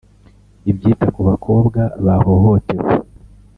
ibyita ku bakobwa bahohotewe